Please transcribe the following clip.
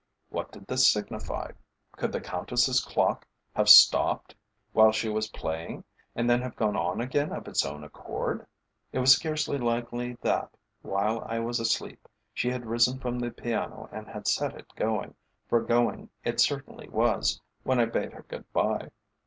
What did this signify? Could the Countess's clock have stopped while she was playing and then have gone on again of its own accord? It was scarcely likely that, while I was asleep, she had risen from the piano and had set it going, for going it certainly was when I bade her good bye.